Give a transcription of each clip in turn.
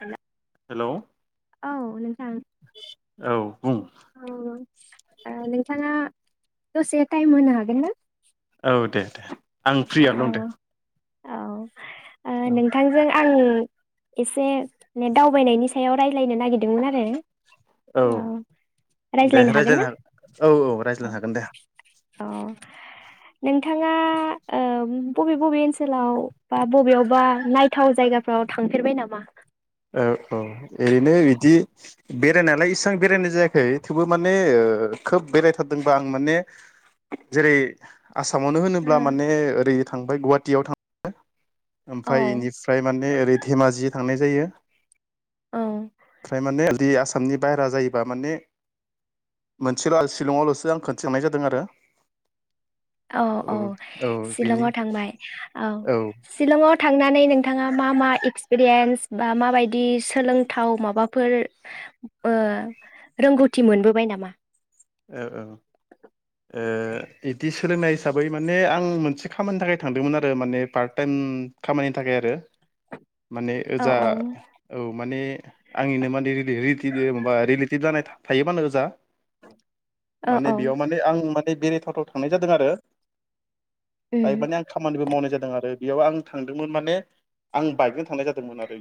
लांदां हेलौ औ नों थां औ बुं ओ नोंथाङा दसे टाइम होनो हागोनना? औ दे दे। आं फ्रियाव दं दे। औ। ओ औ नोंथांजों आं एसे ने दावबायनायनि सायाव राय लायनो नागिरदोंमोन आरो औ अ दे रायज्लायनो हागोन ना? हागोन औ औ रायज्लायनो हागोन दे अ नोंथाङा ओ बबे बबे ओनसोलाव बा बबेयावबा नायथाव जायगाफ्राव थांफेरबाय नामा? ओ औ ओरैनो बिदि बेरायनानै इसां बेरायनाय जायाखै थेवबो माने खोब बेरायथारदोंबा आं माने जेरै आसामावनो ओ होनोब्ला माने ओरै थांबाय गुवाहाटियाव थाङो । औ ओमफफ्राय इनिफ्राय माने ओरै धेमाजि थांनाय जायो । औ फ्राय माने [unintelligible] आसामनि बायेरा जायोबा माने मोनसेल' सिलंआवल'सो आं खोनसे थांनाय जादों आरो औ औ औ बिनि सिलंआव थांबाय औ सिलंआव थांनानै नोंथाङा मा मा एक्सपिरियेस बा माबाय दि सोलोंथाव माबाफोर ओ रोंगौथि मोनबोबाय नामा? ओ ओं ओ इदि सोलोंनाय हिसाबै माने आं मोनसे खामानिनि थाखाय थांदोंमोन आरो माने पार्ट टाइम खामानिनि थाखाय आरो माने औ ओजा औ औ माने आंनिनो माने रिले-रिलेटिभ जानाय थायोबानो ओजा औ माने औ बेयाव माने आं माने बेराय थावथाव थांनाय जादों आरो बेहाय उम माने आं खामानिबो मावनाय जादों आरो बेयाव आं थांदोंमोन माने आं बाइकजों थांनाय जादोंमोन आरो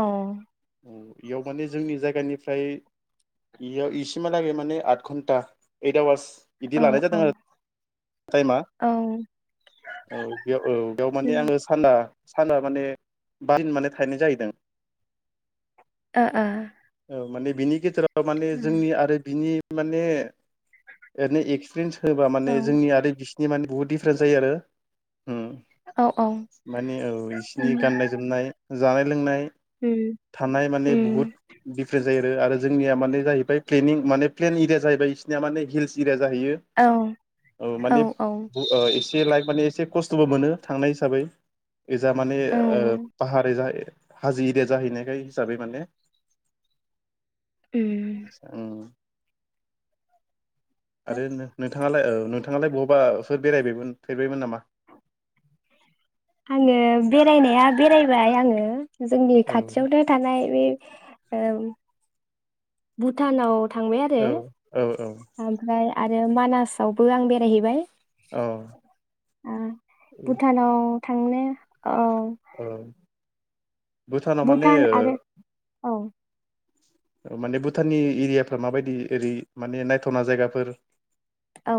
औ ओ इयाव माने जोंनि जायगानिफ्राय इयाव इसिमा लागे माने आद घन्टा एइद आवार्स औ बिदि लानाय औ जादों आरो टाइमा औ उम औ बेयाव औ बेयाव ओ माने आङो साना साना माने बान माने थाहैनाय जाहैदों। ओ ओ ओ माने बिनि गेजेराव ओ माने जोंनि आरो बिनि माने ओरैनो इक्सपिरियेन्स होबा माने जोंनि आरो बि सिनि माने बुहुथ दिडिफारेन्स जायो आरो हुम ओ औ औ उम माने औ उम इसिनि गाननाय जोमनाय जानाय लोंनाय थानाय माने बहुत दिफारेन्ट जायो आरो जोंनिया माने जाहैबाय फ्लेनिं माने प्लेन एरिया जाहैबाय इसिनिया माने हिल्स एरिया जाहैयो औ औ माने बु ओ एसे ला माने एसे खस्थबो मोनो थांनाय हिसाबै एजा माने औ उम पाहार हाजो एरिया जाहैनायखाय हिसाबै माने उम आरो नो नोंथां नोंथाङालाय ओ नोंथाङालाय बहाबा फोर बेरायबायमोन फेरबायमोन ना़मा? आङो बेरायनाया बेरायबाय आङो। जोंनि औ खाथियावनो थानाय बे ओम भुथानाव थांबाय आरो औ औ औ ओमफ्राय आरो मानासावबो आं बेरायहैबाय। औ आ भुथानाव थांनो औ औ भुटानाव माने भुटान आरो औ माने भुटाननि एरियाफ्रा माबायदि ओरै माने नायथावना जायगाफोर औ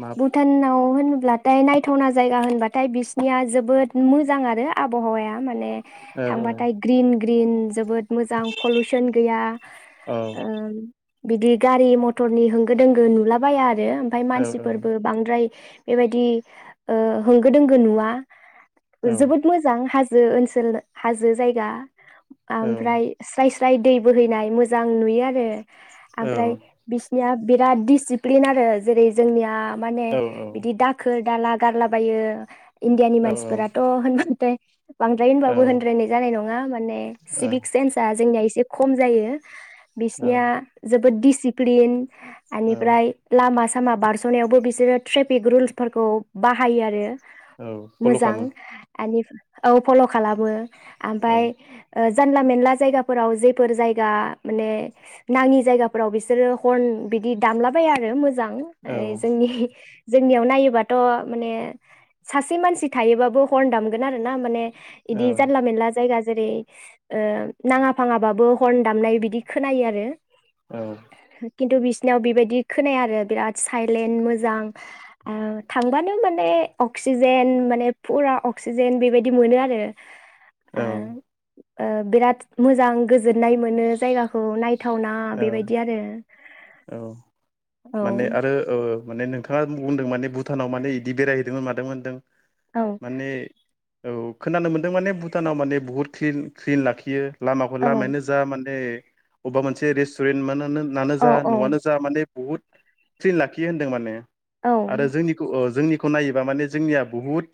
मा भुटानाव होनब्लाथाय नायथावना जायगा होनबाथाय बिसिनिया जोबोद मो जां आरो आबहावाया माने औ थांबाथाय ग्रिन ग्रिन जोबोद मोजां पलुसन गैया औ ओम बिदि गारि मथरनि होंगो दोंगो नुलाबाया आरो ओमफ्राय औ मानसिफोरबो बांद्राय बेबायदि ओ होंगो दोंगो नुवा। औ जोबोद मोजां हाजो हाजो ओनसोल हाजो जायगा औ आमफ्राय स्राय स्राय दै बोहैनाय मोजां नुयो आरो। औ आमफ्राय बिस निया बिरााद दिडसिप्लिन आरो जेरै जोंनिया माने औ बिदि दाखोर दाला गारलाबायो इण्डियानि औ मानसिफोराथ' होनबथाय बांद्राराय होनबाबो होनद्रायनाय जानाय नङा [unintelligible] माने औ सिभिक सेनसआ जोंनि एसे खम जायो। बिसिनिया जोब बोद डसिप्लिन औ एनिफ्राय लामा सामा बारसनायावबो बिसोरो ट्रेफिक रुल्सफोरखौ बाहायो आरो औ फल मोजां खालामो आनि औ फल खालामो औ आमफाय ओ जानला मेनला जायगाफोराव जेफोर जायगा माने नाङि जायगाफोराव बिसोरो हर्न बिदि दामलाबाय आरो [unintelligible] मोजां औ जोंनि जोंनियाव नायोबाथ माने सासे मानसि थायोबाबो हरन दामगोन आरो ना माने बिदि जानला मेरला जायगा जेरै ओ नाङा फाङाबाबो हरन दामनाय बिदि खोनायो आरो औ खिन्थु बि बिनाव बेबायदि खोनाया आरो बिराद साइलेन्ट मोजां ओ थांबानो माने अक्सिजेन माने फुरा अक्सिजेन बेबायदि मोनो आरो ओ औ ओ बिराद मोजां गोजोननाय मोनो जायगाखौ नाय थावना औ बेबायदि आरो औ औ माने आरो ओ माने नोंथाङा बुंदों माने भुटानाव माने इदि बेरायहैदोंमोन मादों होनदों औ माने ओउ खोनानो मोन्दों माने भुटानाव माने बुहुद क्लिन क्लिन लाखियो लामाखौ औ लामायानो जा माने अबा मोनसे बे रेसटुरेन्टमानो नानो औ जा नवानो जा माने बुहुद सिन लाखियो होनदों माने औ आरो जोंनिखौ ओ जोंनि खौ नायोबा माने जोंनिया बुहुद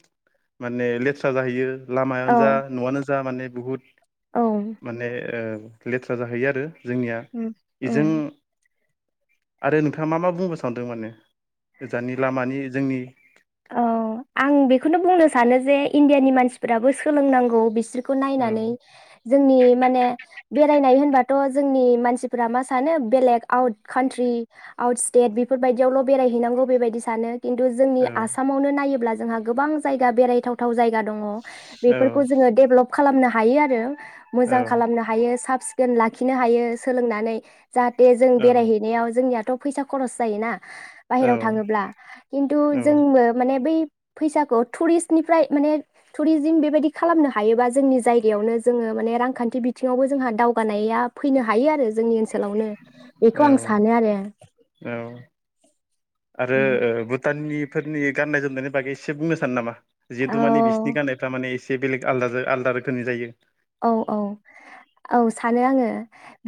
माने लेथ्रा जाहैयो लामायानो औ जा नवानो ज जा माने बुहुद औ माने ओ लेथ्रा जाहैयो आरो जोंनिया उम उम इजों आरो नोंथाङा मा मा बुंनो सानदों माने गोजाननि लामानि जोंनि? औ आं बेखौनो बुंनो सानो जे इण्डियानि मानसिफोराबो सोलोंनांगौ बिसोर खौ नायनानै जोंनि माने बेरायनाय होनबाथ' जोंनि मानसिफोरा मा सानो बेलेग आउट कान्ट्रि आउट स्टेट बेफोरबायदियावल बेरायहैनांगौ बेबायदि सानो खिन्थु जोंनि आसामावनो नायोब्ला जोंहा गोबां जायगा बेरायथावथाव जायगा दङ बेफोरखौ जोङो देभेलप खालामनो हायो आरो मोजां औ-औ-औ-औ-औ-औ-औ-औ खालामनो हायो साब सिख दोन लाखिनो हायो सोलोंनानै जाहाथे जों बेरायहैनायाव जोंनिया थ फैसा खरस जायोना बाहेराव थाङोब्ला खिन्थु जोंबो माने बै फैसाखौ टुरिस्टनिफ्राय माने टुरिजिम बेबायदि खालामनो हायोबा जोंनि जायगायावनो जोङो माने रांखान्थि बिथिङावबो जोंहा दावगानाया फैनो हायो आरो जोंनि ओनसोलाव खालावनो बेखौ आं सानो आरो फोरनि गाननाय जोमनायनि बागै एसे बुंनो सानो नामा? जिहेतु माने औ बिसिनि गाननायफ्रा माने एसे बे बेलेग आलदाजों आलदा रोखोमनि जायो। औ औ औ सानो आङो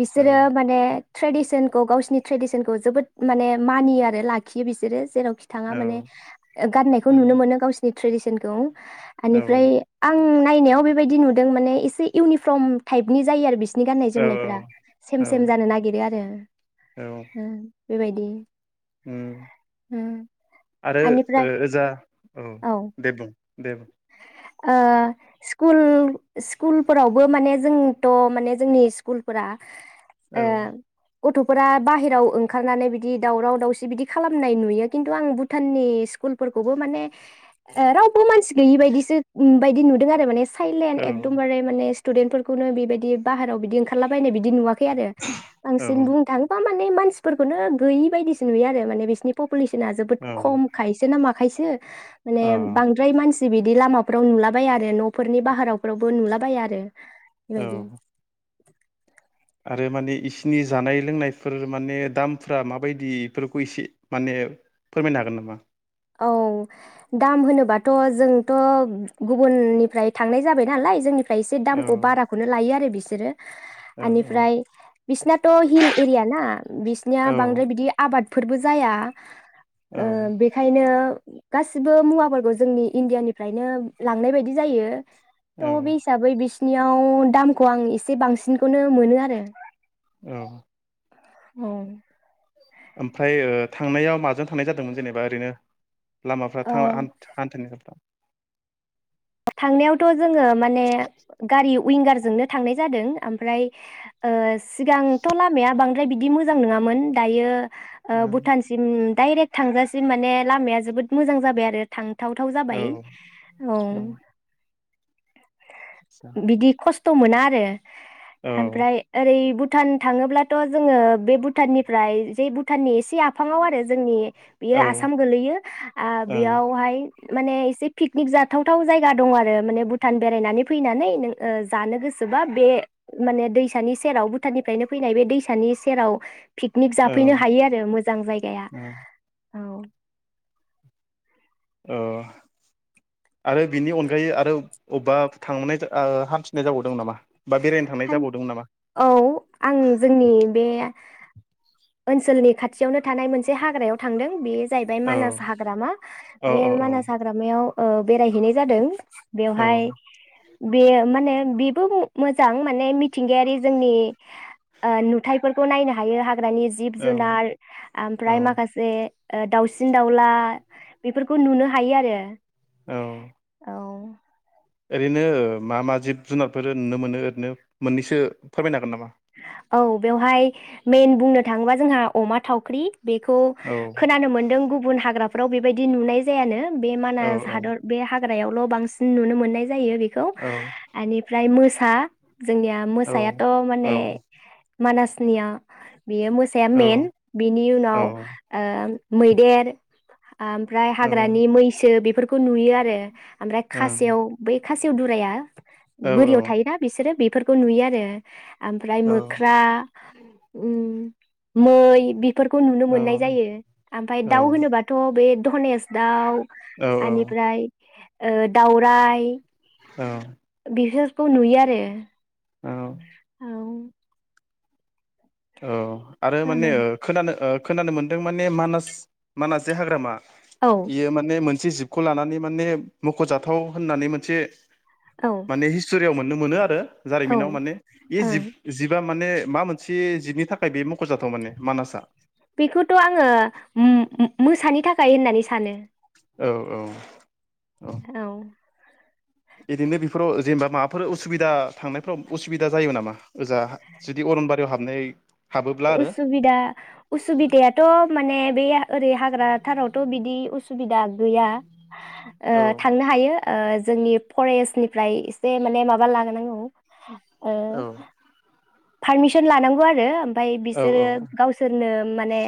बिसोरो माने ट्रेडिसन खौ गावसिनि ट्रेडिसनखौ जोबोद माने मानियो आरो लाखियो बिसोरो जेराव खि थाङा माने औ-औ-औ-औ-औ-औ-औ गाननायखौ नुनो मोनो गावसिनि ट्रेडिसनखौ एनिफ्राय आं बायनायाव बेबायदि नुदों माने इस एसे इउनिफर्म टाइपनि जायो आरो बिस बिनि गाननाय जोमनायफ्रा सेम सेम जानो नागिरो आरो उम बेबायदि [unintelligible] उम आरो बेनिफ्राय ओजा औ दे बुं। दे ओ स्कुल स्कुलफोरावबो माने जोंथ माने जोंनि स्कुलफोरा औ। गथफोरा बाहेराव ओंखारनानै बिदि दावराव दावसि बिदि खालामनाय नुयो खिन्थु आं भुटाननि स्कुलफोरखौबो माने ओ रावबो मानसि गैयि बायदिसो बायदि नुदों आरो माने साइलेन एकदमबारे माने टुडेनफोरखौनो बेबायदि बाहाराव बिदि ओंखारलाबायनाय बिदि नुवाखै खै आरो बांसिन बुंनो थाङोबा माने मानसिफोरखौनो गैयि बायदिसो नुयो आरो माने बिसोरनि पुलेसना जोबोद औ-औ-औ-औ-औ-औ खमखायसो नामा? खायसो। माने बांद्राय मानसि जि बिदि लामाफ्राव नुला बाया आरो नफोरनि बाहाराफ्रावबो नुलाबाया आरो। इबायदि। [inaudible] आरो माने इसिनि जानाय लोंनायफोर माने दामफ्रा माबायदि इफोरखौ एसे माने फोरमायनो हागोन नामा? औ दाम होनोबाथ जोंथ गुबुननिफ्राय थांनाय जाबाय नालाय जोंनिफ्राय फ्राय एसे औ दामखौ बाराखौनो लायो आरो बि सोरो। औ इनिफ्राय बिसिनाथ हिल एरिया ना बिसिनिया औ बांद्राय बिदि आबाद फोरबो जाया। औ। बेखायनो ओ गासिबो मुवाफोरखौ जोंनि इण्डियानिफ्रायनो लांनाय बायदि जायो। त बे औ हिसाबै बि नियाव दामखौ आं एसे बांसिनखौनो मोनो आरो। औ। औ। ओमफ्राय ओ थांनायाव माजों थांनाय जादोंमोन जेनेबा ओरैनो? लामाफ्रा औ थां आन्थ [unintelligible] थांनायावथ जोङो माने गारि उइयंगारजोंनो थांनाय जादों ओमफ्राय ओ सिगांथ लामाया बां ओमफ्राय बिदि मोजां नङामोन दायो। ओ औ भुटानसिम डाइरेक्ट थांजासिम माने लामाया जोबोद मोजां जाबाय आरो थां थाव थाव जाबाय औ औ बिदि खस- थ मोना आरो औ ओमफ्राय ओरै बुथ भुटान थाङोब्लाथ जोङो बे भुटाननिफ्राय जे भुटाननि सि आफाङाव आरो जोंनि बेयो आसाम गोलैयो आ ओं बेयावहाय माने एसे पिकनिक जाथावथाव जायगा गा दं आरो माने भुटान बेरायनानै फैनानै ओ जानो गोसोबा बे माने दैसानि सेराव भुटाननिफ्रायनो फैनाय बे दैसानि सेराव पिकनिक औ जाफैनो हायो आरो मोजां जायगाया ओं औ अ आरो बिनि अनगायै आरो अबा थांनाय हान्थिनाय जाबावदों नामा बा बेरायनो थांनाय हान जाबावदोंमोन नामा? औ आं जोंनि बे ओनसोलनि खाथियावनो थानाय मोनसे हाग्रायाव थांदों बे जाहैबाय औ मानास हाग्रामा औ बे औ मानास हाग्रामायाव ओ बेरायहैनाय जादों बेवहाय औ बेयो माने बेबो ओ मोजां जां माने मिथिंगायारि जोंनि ओ नुथाफोरखौ नायनो हायो हाग्रा हाग्रानि जिब जुनार औ ओमफ्राय औ माखासे ओ दाउसिन दाउला बेफोरखौ नुनो हायो आरो औ औ ओरैनो मा मा जिब जुनारफोर नुनो मोनो ओरैनो मोन्नैसो फोरमायनो हागोन गोन नामा औ बेवहाय मेइन बुंनो थाङोबा जोंहा अमा थावख्रि बेखौ औ खोनानो मोनदों गुबुन हाग्रा फ्राव बेबायदि नुनाय जायानो। बे औ मानास औ हादर बे हाग्रायाव ल बांसिन नुनो मोननाय जायो बेखौ औ एमनिफ्राय मो सा जोंनिया औ मोसायाथ औ माने मानासनिया बेयो मोसाया मेन बिनि औ उनाव ओं ओ मैदेर आमफ्राय औ हाग्रानि मैसो बेफोर खौ नुयो आरो आमफ्राय खासेव बै खासेव दुराया बोरियाव थायोना बेसोरो बे फोरखौ नुयो आरो आमफ्राय मोख्रा उम मै बि फोरखौ नुनो मोन्नाय जायो आमफाय दाउ औ होनोबाथ बे धनेस दाउ औ आनिफ्राय ओ दावराय औ। बिफोरखौ नुयो आरो औ। [inaudible] औ। आरो माने ओ खोनानो ओ खोनानो मोन्दों माने मानास मानास जे हाग्रामा औ इयो माने मोन से जिबखौ लानानै माने मख'जाथाव होननानै मोनसे औ माने हिस्टरियाव मोन नुनो मोनो आरो औ जारिमिनाव माने इ ओं जिब जिबा माने मा मोनसे जितनि थाखाय बे मख'जाथाव माने मानासआ? बेखौथ आङो म-मो-मोसानि थाखाय खाय होन्नानै सानो। औ औ। औ। बिदिनो बेफोराव जेनेबा माबाफोर उसुबिदा थांनायफ्राव उसुबिदा जायो नामा ओजा जुदि अर'नबारियाव हाबनाय हाबोब्ला आरो उसुबिदा उसुबिदायाथ माने बे ओरै हाग्रा थारावथ बिदि उसु सुबुबिदा गैया ओ औ थांनो हायो ओ जोंनि फरेस्टनिफ्राय एसे माने माबा लागोनांगौ। पारमिसन लानांगौ आरो ओमफाय बिसोरो औ औ गावसोरनो माने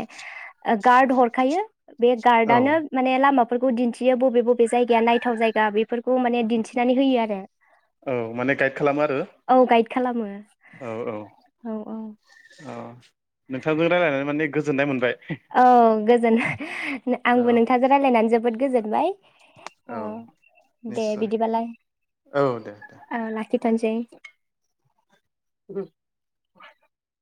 गार्ड हरखायो बे औ गार्डआनो माने लामा बेफोरफोरखौ दिन्थियो बबे बबे जायगाया नायथाव जायगा बेफोरखौ माने दिन्थिनानै होयो आरो। औ माने गाइड खालामो आरो। औ गाइड खालामो। औ औ औ औ। औ नोंथांजों रायज्लायनानै माने गोजोननाय मोनबाय। औ गोजोन औ आंबो नोंथाजों रायज्लायनानै जो। जोबोद गोजोनबाय। अ औ दे निस्सय बिदिबालाय औ दे दे अ ला [unintelligible]